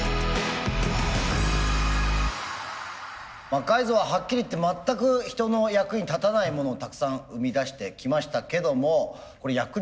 魔改造ははっきり言って全く人の役に立たないものをたくさん生み出してきましたけどもこれ役に立つんでしょうか？